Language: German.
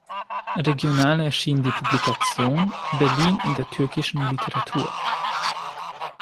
Regional erschien die Publikation "Berlin in der türkischen Literatur".